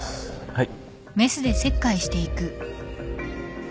はい。